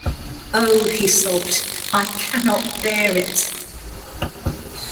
‘Oh!’ he sobbed, ‘I cannot bear it!